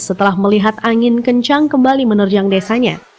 setelah melihat angin kencang kembali menerjang desanya